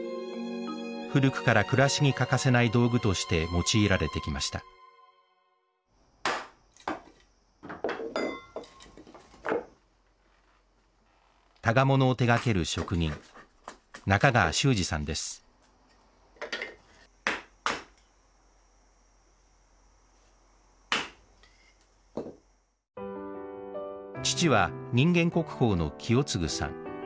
古くから暮らしに欠かせない道具として用いられてきました箍物を手がける職人父は人間国宝の清司さん。